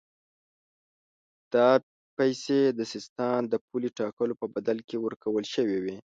دا پیسې د سیستان د پولې ټاکلو په بدل کې ورکول شوې وې.